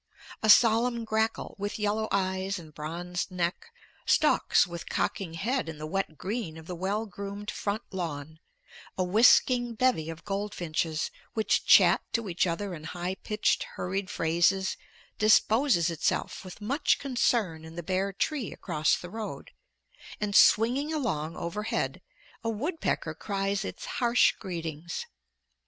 A solemn grackle, with yellow eyes and bronzed neck, stalks with cocking head in the wet green of the well groomed front lawn; a whisking bevy of goldfinches, which chat to each other in high pitched hurried phrases, disposes itself with much concern in the bare tree across the road, and swinging along overhead, a woodpecker cries its harsh greetings.